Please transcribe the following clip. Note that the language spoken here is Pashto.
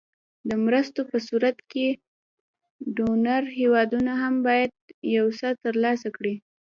د مرستو په صورت کې ډونر هېوادونه هم باید یو څه تر لاسه کړي.